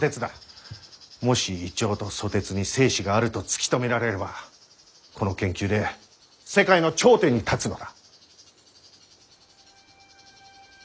もしイチョウとソテツに精子があると突き止められればこの研究で世界の頂点に立つのだ。